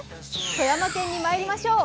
富山県にまいりましょう。